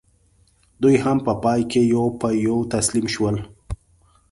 دوی هم په پای کې یو په یو تسلیم شول.